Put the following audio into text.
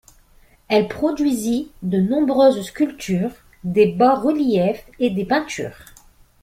Elle produisit de nombreuses sculptures, des bas-reliefs et des peintures.